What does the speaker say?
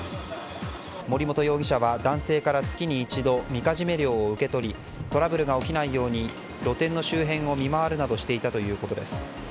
森本容疑者は男性から月に一度みかじめ料を受け取りトラブルが起きないように露店の周辺を見回るなどしていたということです。